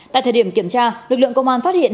tại thời điểm kiểm tra lực lượng công an phát hiện